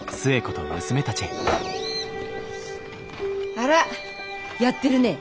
あらやってるねえ。